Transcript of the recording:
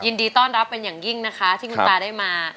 ยินดีต้อนรับเป็นอย่างยิ่งนะคะที่คุณตาได้มา